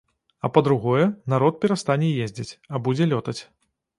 А па-другое, народ перастане ездзіць, а будзе лётаць.